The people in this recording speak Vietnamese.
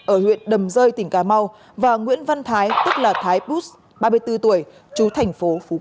ở huyện đầm rơi tỉnh cà mau và nguyễn văn thái tức là thái bút ba mươi bốn tuổi chú thành phố phú quốc